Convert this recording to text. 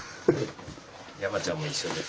山ちゃんも一緒です。